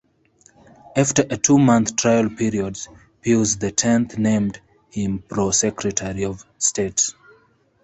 After a two-month trial period, Pius the Tenth named him pro-Secretary of State.